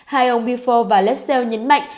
hai ông buford và lassell nhấn mạnh